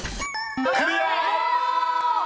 ［クリア！］